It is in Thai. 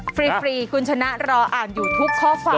ฟรีคุณชนะรออ่านอยู่ทุกข้อความ